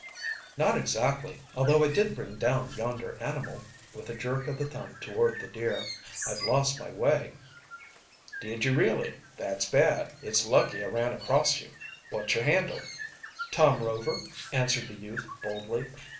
"Not exactly, although I did bring down yonder animal," with a jerk of the thumb toward the deer. "I've lost my way." "Did you, really? That's bad. It's lucky I ran across you. What's your handle?" "Tom Rover," answered the youth boldly.